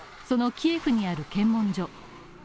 そのキエフにある検問所。